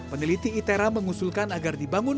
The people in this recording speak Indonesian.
peneliti itera mengusulkan agar dibangun